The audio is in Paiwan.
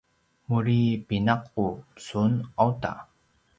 muri pinaqup sun uta!